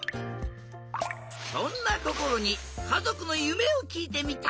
そんなこころにかぞくのゆめをきいてみた！